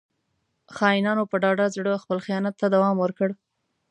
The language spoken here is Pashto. • خاینانو په ډاډه زړه خپل خیانت ته دوام ورکړ.